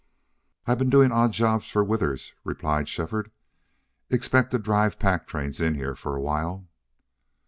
"I've been doing odd jobs for Withers," replied Shefford. "Expect to drive pack trains in here for a while."